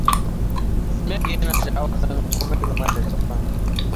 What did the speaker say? Meg yana sha'awar sanin komai game da Japan.